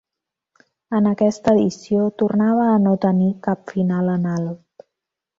En aquesta edició tornava a no tenir cap final en alt.